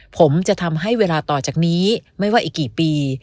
ผมจะทำให้เวลาต่อจากนี้ไม่ว่าอีกกี่ปี